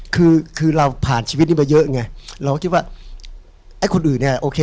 คือคือเราผ่านชีวิตนี้มาเยอะไงเราก็คิดว่าไอ้คนอื่นเนี่ยโอเค